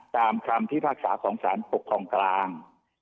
ตามคำพิพากษาของสารปกครองกลาง